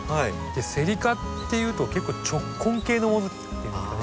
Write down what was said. セリ科っていうと結構直根性のものっていうんですかね。